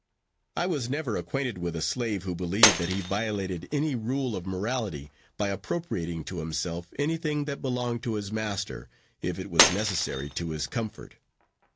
I was never acquainted with a slave who believed that he violated any rule of morality by appropriating to himself any thing that belonged to his master, if it was necessary to his comfort.